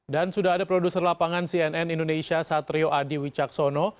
dan sudah ada produser lapangan cnn indonesia satrio adi wicaksono